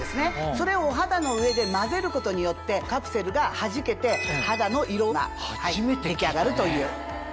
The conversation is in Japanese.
それをお肌の上で混ぜることによってカプセルがはじけて肌の色が出来上がるという。